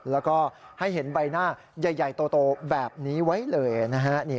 แล้วก็ให้เห็นใบหน้าใหญ่โตแบบนี้ไว้เลยนะฮะ